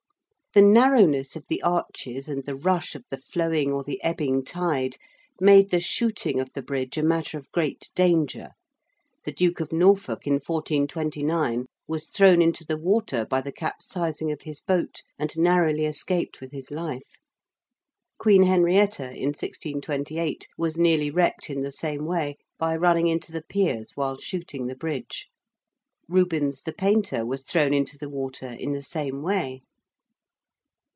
The narrowness of the arches and the rush of the flowing or the ebbing tide made the 'shooting' of the Bridge a matter of great danger. The Duke of Norfolk in 1429 was thrown into the water by the capsizing of his boat and narrowly escaped with his life. Queen Henrietta, in 1628, was nearly wrecked in the same way by running into the piers while shooting the Bridge. Rubens the painter was thrown into the water in the same way.